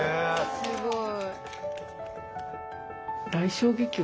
すごい。